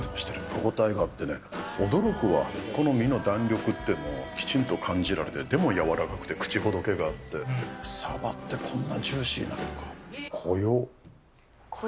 歯応えがあってね、驚くわ、この身の弾力ってのをきちんと感じられて、でも柔らかくて、口ほどけがあって、サバってこんなジューシーなのか。